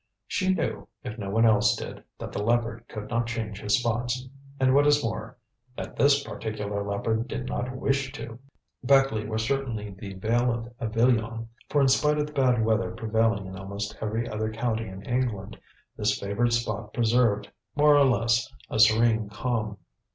She knew, if no one else did, that the leopard could not change his spots, and what is more, that this particular leopard did not wish to. Beckleigh was certainly the Vale of Avilion, for in spite of the bad weather prevailing in almost every other county in England, this favoured spot preserved, more or less, a serene calm.